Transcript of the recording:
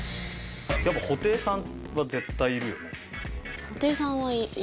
やっぱ布袋さんは絶対いるよね。